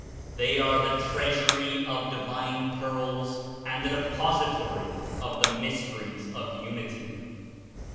They are the treasury of divine pearls and the depository of the mysteries of Unity.